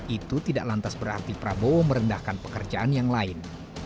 itu tidak lantas berarti prabowo merendahkan pekerjaan